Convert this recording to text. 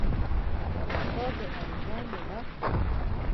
زما دا ښار د غريبانو ډک دی